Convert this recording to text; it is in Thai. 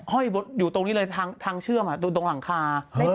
ห้อยอยู่ตรงนี้เลยทางเชื่อมตรงหลังคา